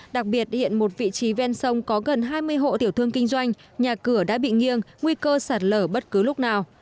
đặc biệt hiện một vị trí ven sông có gần hai mươi hộ tiểu thương kinh doanh nhà cửa đã bị nghiêng nguy cơ sạt lở bất cứ lúc nào